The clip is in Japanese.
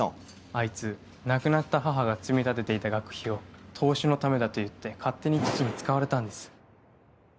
あいつ亡くなった母が積み立てていた学費を投資のためだと言って勝手に父に使われたんです。